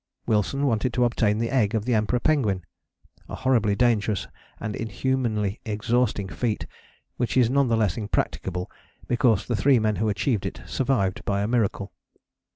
Wilson wanted to obtain the egg of the Emperor penguin: a horribly dangerous and inhumanly exhausting feat which is none the less impracticable because the three men who achieved it survived by a miracle.